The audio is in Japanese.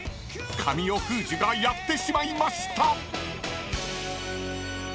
［神尾楓珠がやってしまいました！］